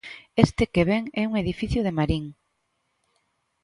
Este que ven é un edificio de Marín.